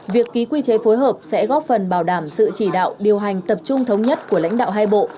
việc ký quy chế phối hợp sẽ góp phần bảo đảm sự chỉ đạo điều hành tập trung thống nhất của lãnh đạo hai bộ